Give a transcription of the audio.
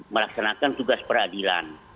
melaksanakan tugas peradilan